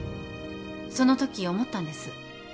そのとき思ったんです。